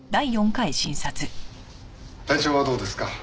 体調はどうですか？